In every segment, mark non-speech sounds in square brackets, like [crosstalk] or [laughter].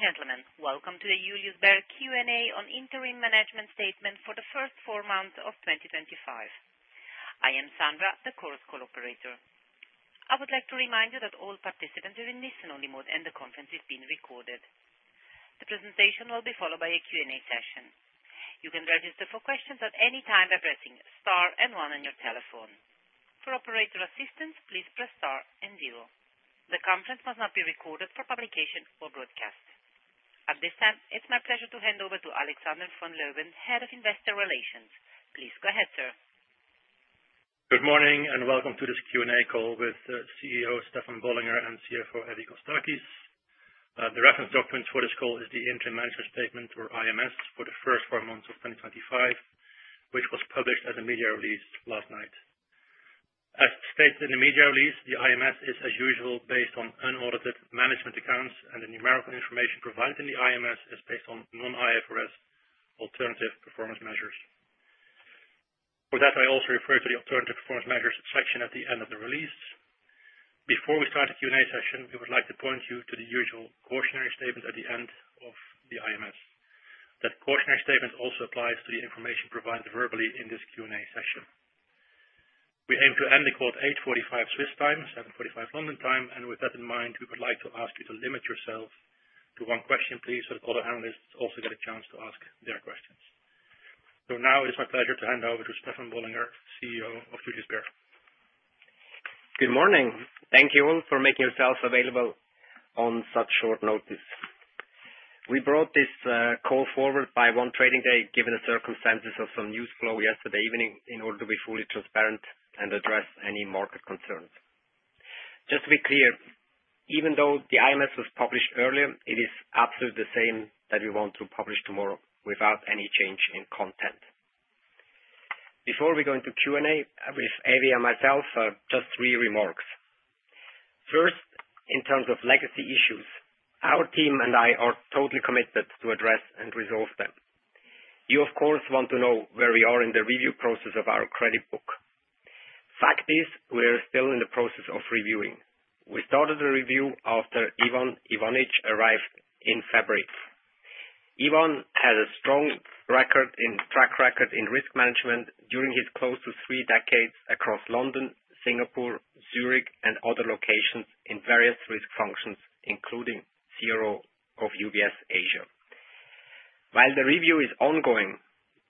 Ladies and gentlemen, welcome to the Julius Bär Q&A on Interim Management Statement for the first four months of 2025. I am Sandra, the course co-operator. I would like to remind you that all participants are in listen-only mode, and the conference is being recorded. The presentation will be followed by a Q&A session. You can register for questions at any time by pressing Star and 1 on your telephone. For operator assistance, please press Star and 0. The conference must not be recorded for publication or broadcast. At this time, it's my pleasure to hand over to Alexander van Leeuwen, Head of Investor Relations. Please go ahead, sir. Good morning, and welcome to this Q&A call with CEO Stefan Bollinger and CFO Evie Kostakis. The reference document for this call is the Interim Management Statement, or IMS, for the first four months of 2025, which was published as a media release last night. As stated in the media release, the IMS is, as usual, based on unaudited management accounts, and the numerical information provided in the IMS is based on non-IFRS alternative performance measures. For that, I also refer to the alternative performance measures section at the end of the release. Before we start the Q&A session, we would like to point you to the usual cautionary statement at the end of the IMS. That cautionary statement also applies to the information provided verbally in this Q&A session. We aim to end the call at 8:45 Swiss time, 7:45 London time, and with that in mind, we would like to ask you to limit yourself to one question, please, so that other analysts also get a chance to ask their questions. It is my pleasure to hand over to Stefan Bollinger, CEO of Julius Bär. Good morning. Thank you all for making yourselves available on such short notice. We brought this call forward by one trading day given the circumstances of some news flow yesterday evening in order to be fully transparent and address any market concerns. Just to be clear, even though the IMS was published earlier, it is absolutely the same that we want to publish tomorrow without any change in content. Before we go into Q&A with Evie and myself, just three remarks. First, in terms of legacy issues, our team and I are totally committed to address and resolve them. You, of course, want to know where we are in the review process of our credit book. Fact is, we are still in the process of reviewing. We started the review after Ivan Ivanic arrived in February. Ivan has a strong track record in risk management during his close to three decades across London, Singapore, Zurich, and other locations in various risk functions, including CRO of UBS Asia. While the review is ongoing,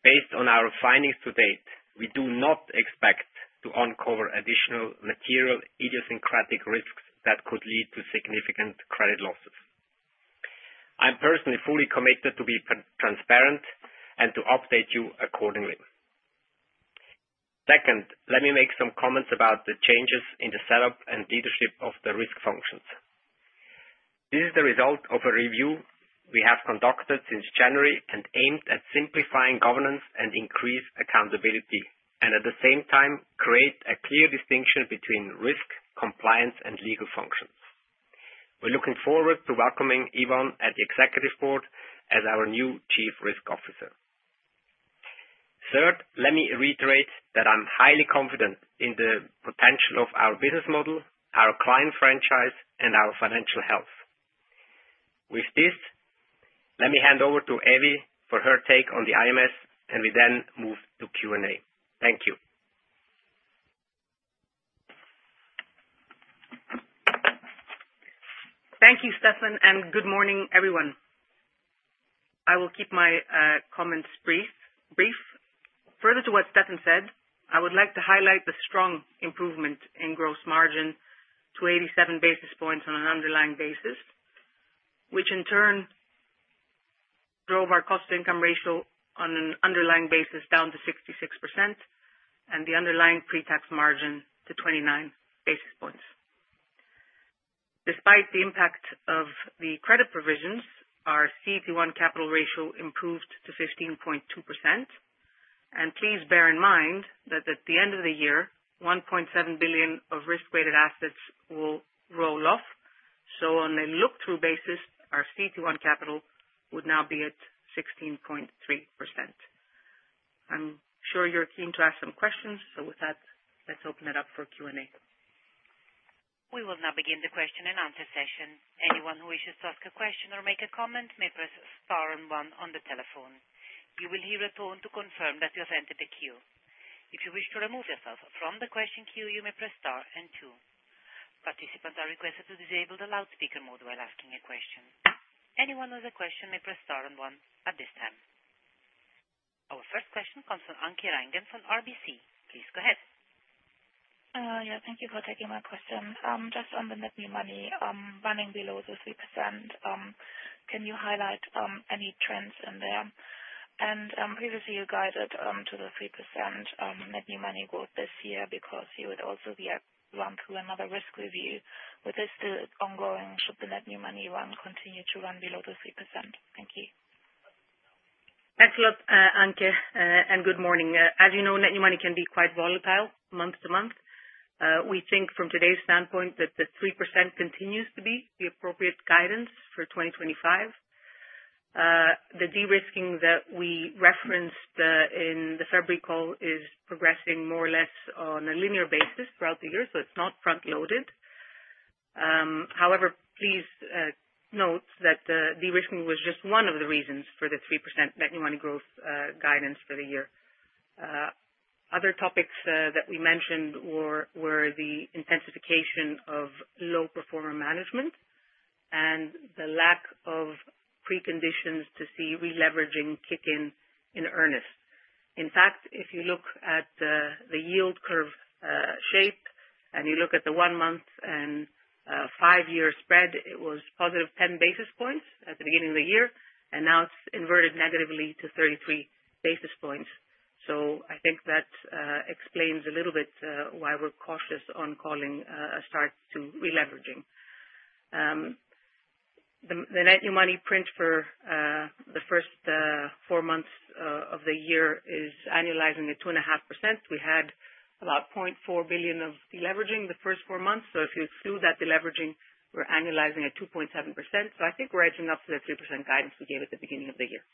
based on our findings to date, we do not expect to uncover additional material idiosyncratic risks that could lead to significant credit losses. I'm personally fully committed to be transparent and to update you accordingly. Second, let me make some comments about the changes in the setup and leadership of the risk functions. This is the result of a review we have conducted since January and aimed at simplifying governance and increased accountability, and at the same time, create a clear distinction between risk, compliance, and legal functions. We're looking forward to welcoming Ivan at the executive board as our new Chief Risk Officer. Third, let me reiterate that I'm highly confident in the potential of our business model, our client franchise, and our financial health. With this, let me hand over to Evie for her take on the IMS, and we then move to Q&A. Thank you. Thank you, Stefan, and good morning, everyone. I will keep my comments brief. Further to what Stefan said, I would like to highlight the strong improvement in gross margin to 87 basis points on an underlying basis, which in turn drove our cost-to-income ratio on an underlying basis down to 66% and the underlying pre-tax margin to 29 basis points. Despite the impact of the credit provisions, our CET1 capital ratio improved to 15.2%. Please bear in mind that at the end of the year, 1.7 billion of risk-weighted assets will roll off. On a look-through basis, our CET1 capital would now be at 16.3%. I'm sure you're keen to ask some questions, so with that, let's open it up for Q&A. We will now begin the question-and-answer session. Anyone who wishes to ask a question or make a comment may press star and one on the telephone. You will hear a tone to confirm that you've entered the queue. If you wish to remove yourself from the question queue, you may press star and two. Participants are requested to disable the loudspeaker mode while asking a question. Anyone with a question may press star and one at this time. Our first question comes from Anke Reingen from RBC. Please go ahead. Yeah, thank you for taking my question. Just on the net new money running below the 3%, can you highlight any trends in there? Previously, you guided to the 3% net new money growth this year because you would also run through another risk review. With this still ongoing, should the net new money run continue to run below the 3%? Thank you. Thanks a lot, Anke, and good morning. As you know, net new money can be quite volatile month to month. We think from today's standpoint that the 3% continues to be the appropriate guidance for 2025. The de-risking that we referenced in the February call is progressing more or less on a linear basis throughout the year, so it's not front-loaded. However, please note that the de-risking was just one of the reasons for the 3% net new money growth guidance for the year. Other topics that we mentioned were the intensification of low-performer management and the lack of preconditions to see releveraging kick in in earnest. In fact, if you look at the yield curve shape and you look at the one-month and five-year spread, it was positive 10 basis points at the beginning of the year, and now it's inverted negatively to 33 basis points. I think that explains a little bit why we're cautious on calling a start to releveraging. The net new money print for the first four months of the year is annualizing at 2.5%. We had about 0.4 billion of deleveraging the first four months, so if you exclude that deleveraging, we're annualizing at 2.7%. I think we're edging up to the 3% guidance we gave at the beginning of the year.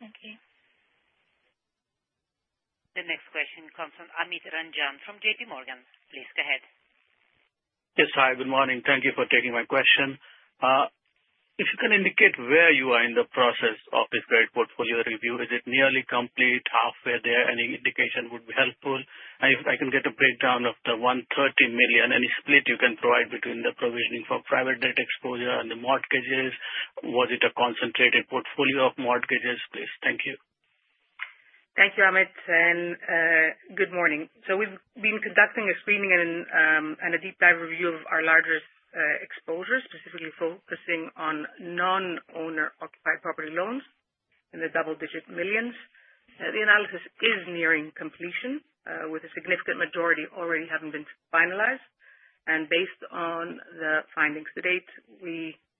Thank you. The next question comes from Amit Ranjan from JPMorgan. Please go ahead. Yes, hi, good morning. Thank you for taking my question. If you can indicate where you are in the process of this credit portfolio review, is it nearly complete, halfway there, any indication would be helpful? If I can get a breakdown of the 130 million, any split you can provide between the provisioning for private debt exposure and the mortgages? Was it a concentrated portfolio of mortgages? Please. Thank you. Thank you, Amit. Good morning. We have been conducting a screening and a deep dive review of our largest exposure, specifically focusing on non-owner-occupied property loans in the double-digit millions. The analysis is nearing completion, with a significant majority already having been finalized. Based on the findings to date,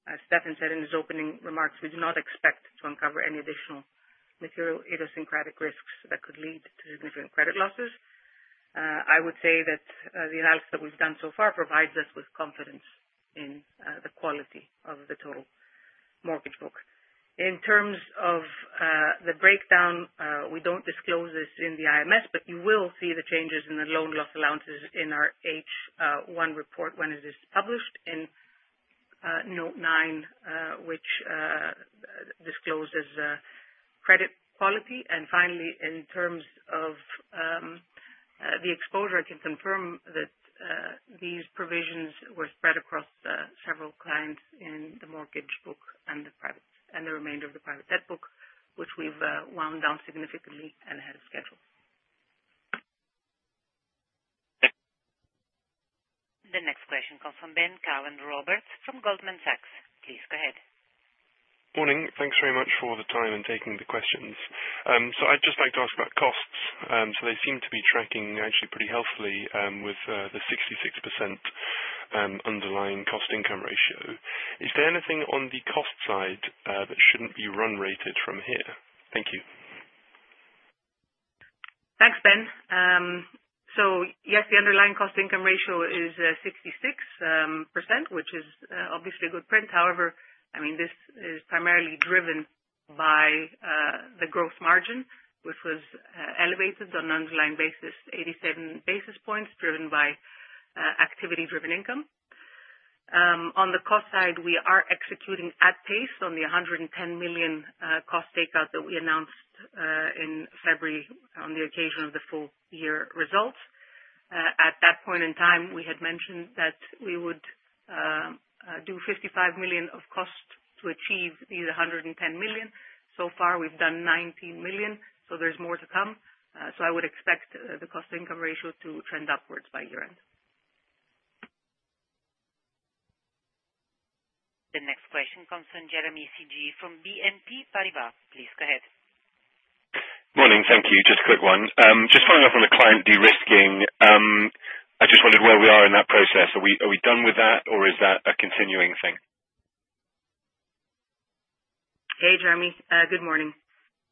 as Stefan said in his opening remarks, we do not expect to uncover any additional material idiosyncratic risks that could lead to significant credit losses. I would say that the analysis that we have done so far provides us with confidence in the quality of the total mortgage book. In terms of the breakdown, we do not disclose this in the IMS, but you will see the changes in the loan loss allowances in our H1 report when it is published in Note 9, which discloses credit quality. Finally, in terms of the exposure, I can confirm that these provisions were spread across several clients in the mortgage book and the remainder of the private debt book, which we've wound down significantly and had scheduled. The next question comes from Ben Caven-Roberts from Goldman Sachs. Please go ahead. Morning. Thanks very much for the time and taking the questions. I'd just like to ask about costs. They seem to be tracking actually pretty healthily with the 66% underlying cost-to-income ratio. Is there anything on the cost side that should not be run-rated from here? Thank you. Thanks, Ben. Yes, the underlying cost-income ratio is 66%, which is obviously a good print. However, I mean, this is primarily driven by the gross margin, which was elevated on an underlying basis, 87 basis points driven by activity-driven income. On the cost side, we are executing at pace on the 110 million cost takeout that we announced in February on the occasion of the full-year results. At that point in time, we had mentioned that we would do 55 million of cost to achieve these 110 million. So far, we've done 19 million, so there's more to come. I would expect the cost-income ratio to trend upwards by year-end. The next question comes from Jeremy Sigee from BNP Paribas. Please go ahead. Morning. Thank you. Just a quick one. Just following up on the client de-risking, I just wondered where we are in that process. Are we done with that, or is that a continuing thing? Hey, Jeremy. Good morning.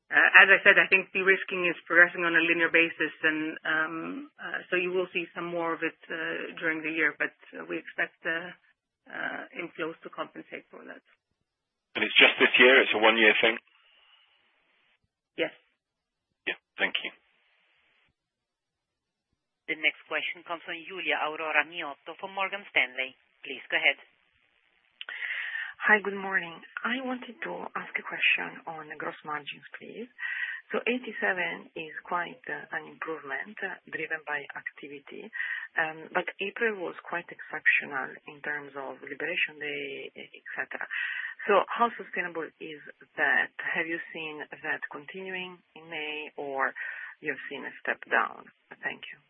As I said, I think de-risking is progressing on a linear basis, and you will see some more of it during the year, but we expect inflows to compensate for that. It's just this year? It's a one-year thing? Yes. Yeah. Thank you. The next question comes from Giulia Aurora Miotto from Morgan Stanley. Please go ahead. Hi, good morning. I wanted to ask a question on the gross margins, please. So 87 is quite an improvement driven by activity, but April was quite exceptional in terms of liberation, etc. How sustainable is that? Have you seen that continuing in May, or you have seen a step down? Thank you.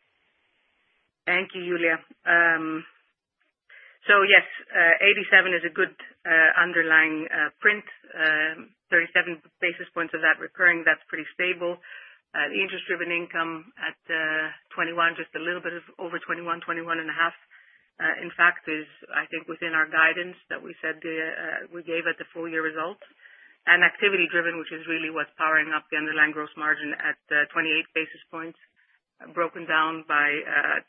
Thank you, Giulia. Yes, 87 is a good underlying print. 37 basis points of that recurring, that's pretty stable. The interest-driven income at 21, just a little bit over 21, 21 and a half, in fact, is, I think, within our guidance that we said we gave at the full-year result. Activity-driven, which is really what's powering up the underlying gross margin at 28 basis points, broken down by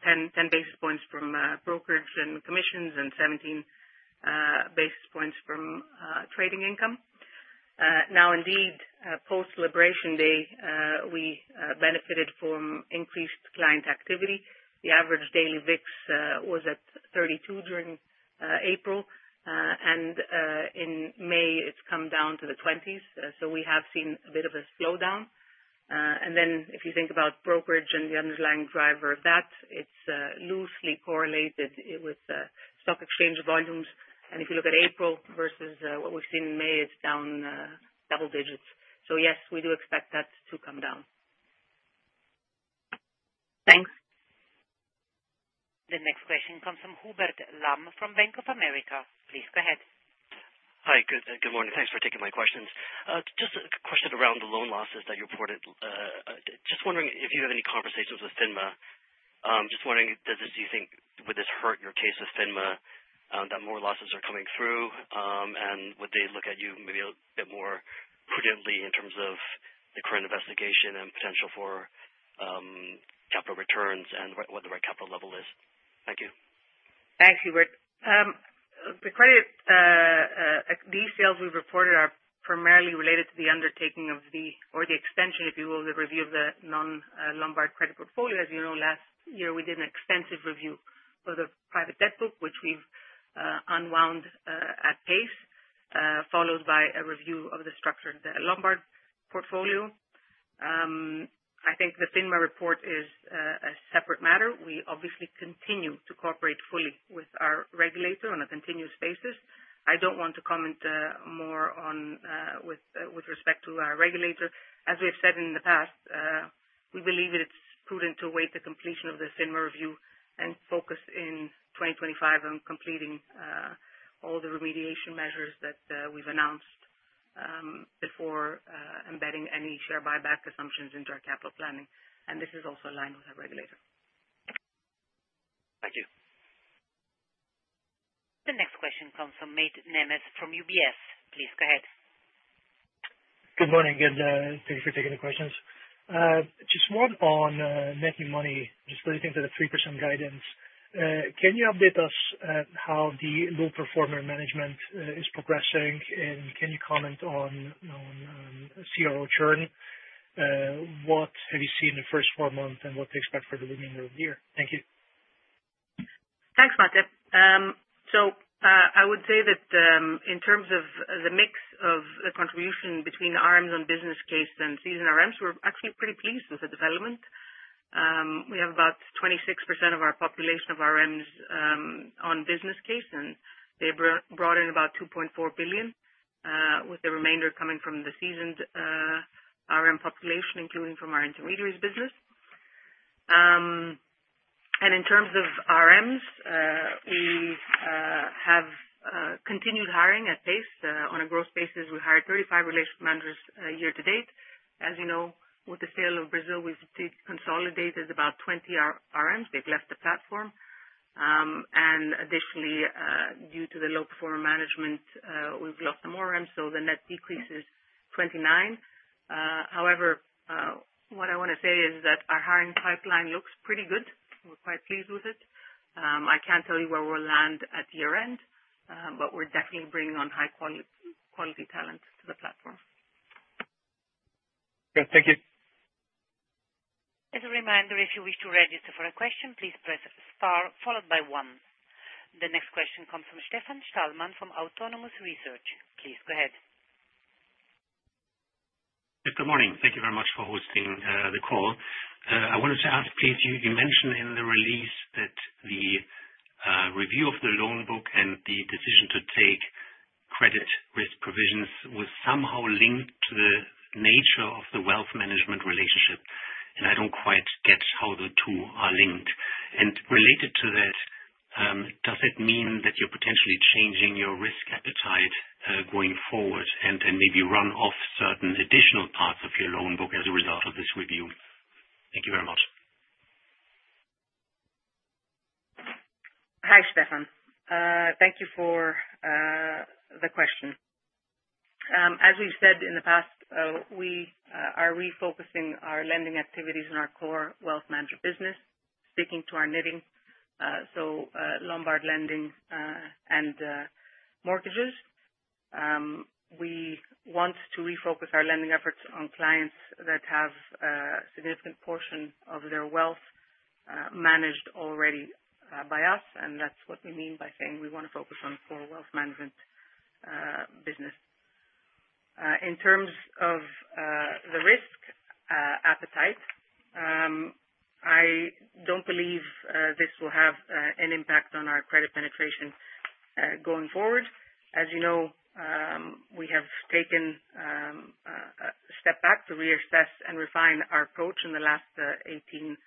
10 basis points from brokerage and commissions and 17 basis points from trading income. Indeed, post-liberation day, we benefited from increased client activity. The average daily VIX was at 32 during April, and in May, it's come down to the 20s. We have seen a bit of a slowdown. If you think about brokerage and the underlying driver of that, it's loosely correlated with stock exchange volumes. If you look at April versus what we've seen in May, it's down double-digits. Yes, we do expect that to come down. Thanks. The next question comes from Hubert Lam from Bank of America. Please go ahead. Hi, good morning. Thanks for taking my questions. Just a question around the loan losses that you reported. Just wondering if you have any conversations with FINMA. Just wondering, does this do you think would this hurt your case with FINMA that more losses are coming through, and would they look at you maybe a bit more prudently in terms of the current investigation and potential for capital returns and what the right capital level is? Thank you. Thanks, Hubert. The credit details we've reported are primarily related to the undertaking of the, or the extension, if you will, of the review of the non-Lombard credit portfolio. As you know, last year, we did an extensive review of the private debt book, which we've unwound at pace, followed by a review of the structured Lombard portfolio. I think the FINMA report is a separate matter. We obviously continue to cooperate fully with our regulator on a continuous basis. I don't want to comment more with respect to our regulator. As we have said in the past, we believe it's prudent to await the completion of the FINMA review and focus in 2025 on completing all the remediation measures that we've announced before embedding any share buyback assumptions into our capital planning. This is also aligned with our regulator. Thank you. The next question comes from Mate Nemes from UBS. Please go ahead. Good morning. Thank you for taking the questions. Just one on net new money. Just relating to the 3% guidance, can you update us how the low-performer management is progressing, and can you comment on CRO churn? What have you seen in the first four months and what to expect for the remainder of the year? Thank you. Thanks, Mate. I would say that in terms of the mix of the contribution between RMs on business case and seasoned RMs, we're actually pretty pleased with the development. We have about 26% of our population of RMs on business case, and they brought in about $2.4 billion, with the remainder coming from the seasoned RM population, including from our intermediaries business. In terms of RMs, we have continued hiring at pace. On a gross basis, we hired 35 relationship managers year to date. As you know, with the sale of Brazil, we've consolidated about 20 RMs. They've left the platform. Additionally, due to the low-performer management, we've lost some more RMs, so the net decrease is 29. However, what I want to say is that our hiring pipeline looks pretty good. We're quite pleased with it. I can't tell you where we'll land at year-end, but we're definitely bringing on high-quality talent to the platform. Good. Thank you. As a reminder, if you wish to register for a question, please press star followed by one. The next question comes from Stefan Stalmann from Autonomous Research. Please go ahead. Good morning. Thank you very much for hosting the call. I wanted to ask, please, you mentioned in the release that the review of the loan book and the decision to take credit risk provisions was somehow linked to the nature of the wealth management relationship, and I do not quite get how the two are linked. Related to that, does it mean that you are potentially changing your risk appetite going forward and maybe run off certain additional parts of your loan book as a result of this review? Thank you very much. Hi, Stefan. Thank you for the question. As we've said in the past, we are refocusing our lending activities in our core wealth manager business, sticking to our knitting, so Lombard lending and mortgages. We want to refocus our lending efforts on clients that have a significant portion of their wealth managed already by us, and that's what we mean by saying we want to focus on core wealth management business. In terms of the risk appetite, I don't believe this will have an impact on our credit penetration going forward. As you know, we have taken a step back to reassess and refine our approach in the last 18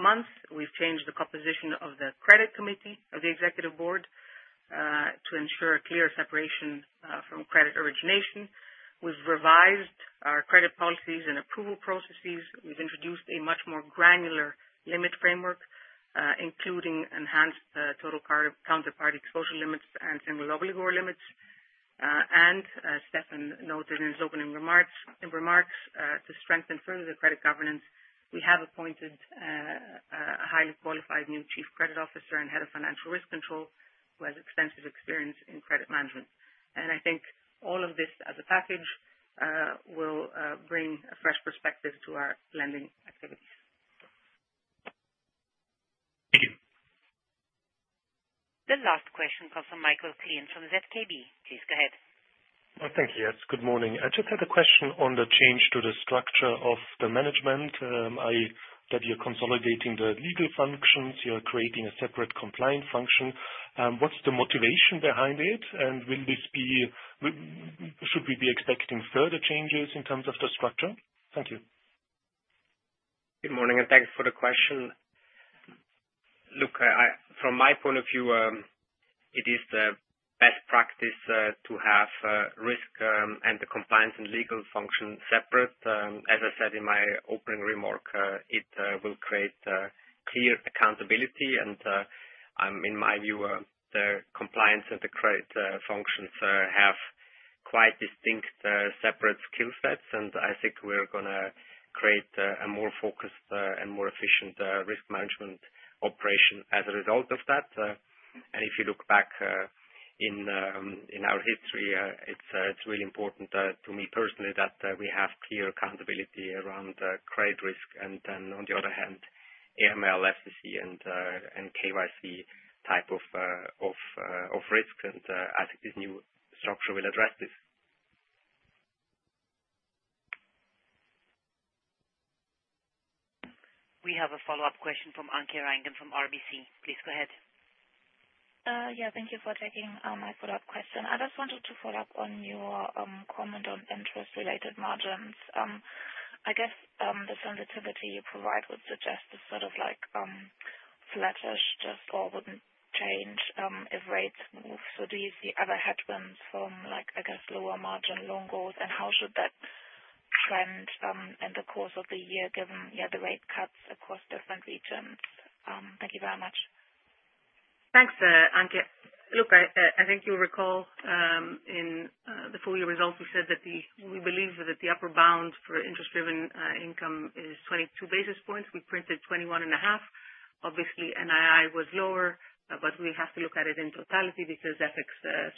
months. We've changed the composition of the credit committee, of the executive board, to ensure a clear separation from credit origination. We've revised our credit policies and approval processes. We've introduced a much more granular limit framework, including enhanced total counterparty exposure limits and single obligor limits. As Stefan noted in his opening remarks, to strengthen further the credit governance, we have appointed a highly qualified new Chief Credit Officer and Head of Financial Risk Control who has extensive experience in credit management. I think all of this as a package will bring a fresh perspective to our lending activities. Thank you. The last question comes from Michael Klein from ZKB. Please go ahead. Thank you. Yes, good morning. I just had a question on the change to the structure of the management. I read you're consolidating the legal functions. You're creating a separate compliance function. What's the motivation behind it, and should we be expecting further changes in terms of the structure? Thank you. Good morning and thanks for the question. Look, from my point of view, it is the best practice to have risk and the compliance and legal function separate. As I said in my opening remark, it will create clear accountability, and in my view, the compliance and the credit functions have quite distinct separate skill sets, and I think we're going to create a more focused and more efficient risk management operation as a result of that. If you look back in our history, it's really important to me personally that we have clear accountability around credit risk, and then on the other hand, AML, FCC, and KYC type of risks, and I think this new structure will address this. We have a follow-up question from Anke Reingen from RBC. Please go ahead. Yeah. Thank you for taking my follow-up question. I just wanted to follow up on your comment on interest-related margins. I guess the sensitivity you provide would suggest it's sort of like flatish, just all wouldn't change if rates move. So do you see other headwinds from, I guess, lower margin loan goals, and how should that trend in the course of the year given, yeah, the rate cuts across different regions? Thank you very much. Thanks, Anke. Look, I think you'll recall in the full-year results we said that we believe that the upper bound for interest-driven income is 22 basis points. We printed 21.5. Obviously, NII was lower, but we have to look at it in totality because FX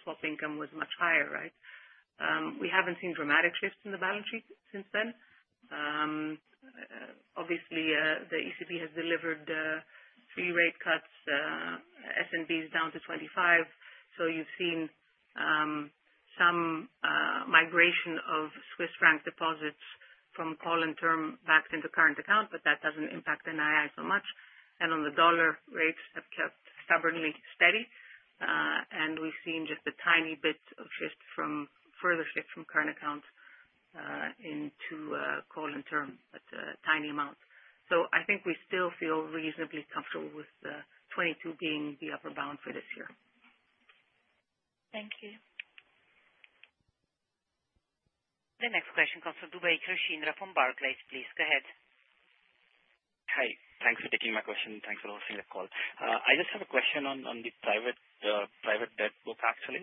swap income was much higher, right? We haven't seen dramatic shifts in the balance sheet since then. The ECB has delivered three rate cuts, SNB's down to 25, so you've seen some migration of Swiss franc deposits from call and term back into current account, but that doesn't impact NII so much. On the dollar, rates have kept stubbornly steady, and we've seen just a tiny bit of shift from further shift from current account into call and term, but a tiny amount. I think we still feel reasonably comfortable with 22 being the upper bound for this year. Thank you. The next question comes from Dubey Krishnendra from Barclays. Please go ahead. Hi. Thanks for taking my question. Thanks for hosting the call. I just have a question on the private debt book, actually.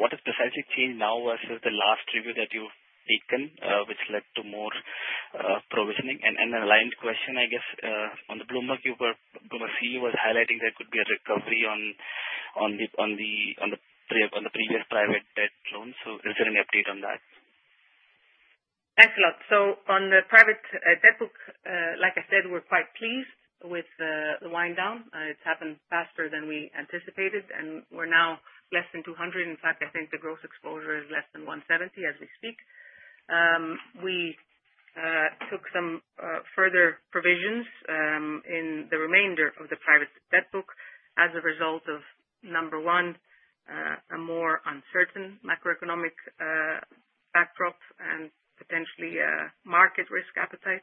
What has precisely changed now versus the last review that you've taken, which led to more provisioning? An aligned question, I guess, on the Bloomberg CEO was highlighting there could be a recovery on the previous private debt loans. Is there any update on that? Thanks a lot. On the private debt book, like I said, we're quite pleased with the wind down. It's happened faster than we anticipated, and we're now less than 200. In fact, I think the gross exposure is less than 170 as we speak. We took some further provisions in the remainder of the private debt book as a result of, number one, a more uncertain macroeconomic backdrop and potentially market risk appetite.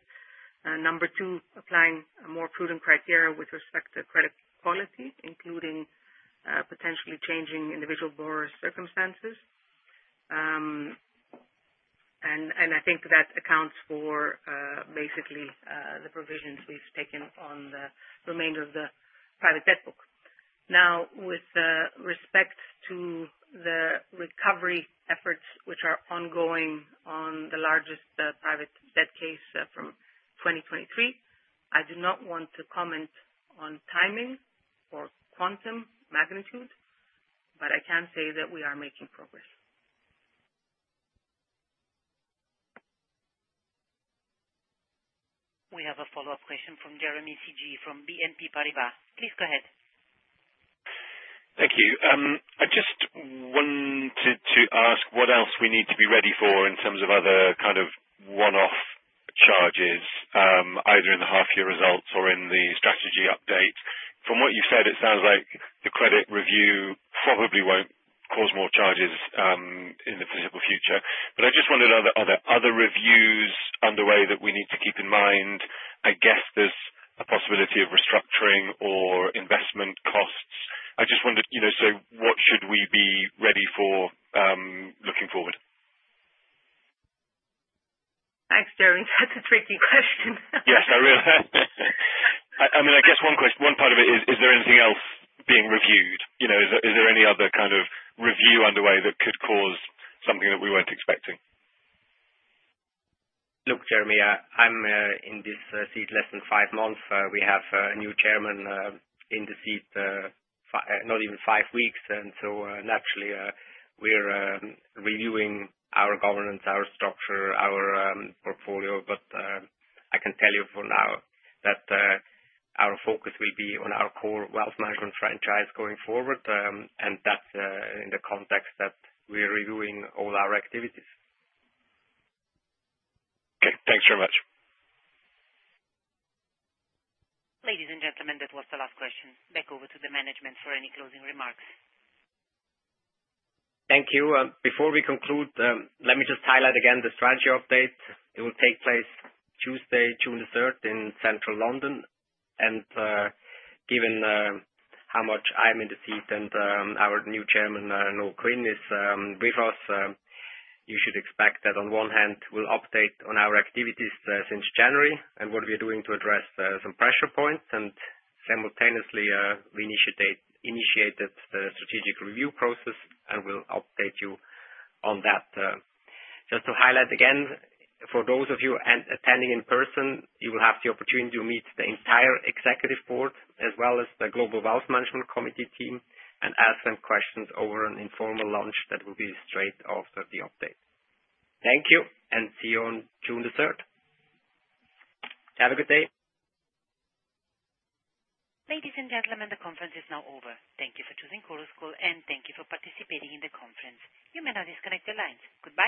Number two, applying a more prudent criteria with respect to credit quality, including potentially changing individual borrower circumstances. I think that accounts for basically the provisions we've taken on the remainder of the private debt book. Now, with respect to the recovery efforts, which are ongoing on the largest private debt case from 2023, I do not want to comment on timing or quantum magnitude, but I can say that we are making progress. We have a follow-up question from Jeremy Sigee from BNP Paribas. Please go ahead. Thank you. I just wanted to ask what else we need to be ready for in terms of other kind of one-off charges, either in the half-year results or in the strategy update. From what you've said, it sounds like the credit review probably won't cause more charges in the foreseeable future. I just wondered, are there other reviews underway that we need to keep in mind? I guess there's a possibility of restructuring or investment costs. I just wondered, what should we be ready for looking forward? Thanks, Jeremy. That's a tricky question. Yes, I really am. I mean, I guess one part of it is, is there anything else being reviewed? Is there any other kind of review underway that could cause something that we were not expecting? Look, Jeremy, I'm in this seat less than five months. We have a new chairman in the seat not even five weeks, and so naturally, we're reviewing our governance, our structure, our portfolio. I can tell you for now that our focus will be on our core wealth management franchise going forward, and that's in the context that we're reviewing all our activities. Okay. Thanks very much. Ladies and gentlemen, that was the last question. Back over to the management for any closing remarks. Thank you. Before we conclude, let me just highlight again the strategy update. It will take place Tuesday, June 3rd, in central London. Given how much I'm in the seat and our new Chairman, Noel Quinn, is with us, you should expect that on one hand, we'll update on our activities since January and what we are doing to address some pressure points. Simultaneously, we initiated the strategic review process and will update you on that. Just to highlight again, for those of you attending in person, you will have the opportunity to meet the entire Executive Board as well as the Global Wealth Management Committee team and ask them questions over an informal lunch that will be straight after the update. Thank you, and see you on June 3rd. Have a good day. Ladies and gentlemen, the conference is now over. Thank you for choosing, [audio distortion] and thank you for participating in the conference. You may now disconnect your lines. Goodbye.